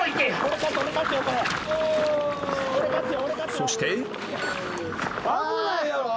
［そして］